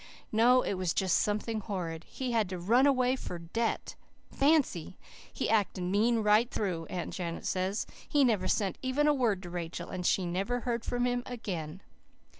No, it was just something horrid. He had to run away for debt! Fancy! He acted mean right through, Aunt Janet says. He never sent even a word to Rachel, and she never heard from him again."